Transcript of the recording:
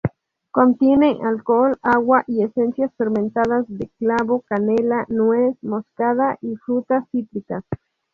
Contiene alcohol, agua y esencias fermentadas de clavo, canela, nuez moscada y frutas cítricas.